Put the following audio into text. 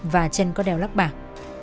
và chân có đeo lắc bạc